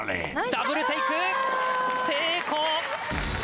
ダブルテイク、成功。